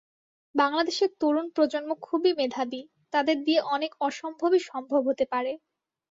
বাংলাদেশের তরুণ প্রজন্ম খুবই মেধাবী, তাঁদের দিয়ে অনেক অসম্ভবই সম্ভব হতে পারে।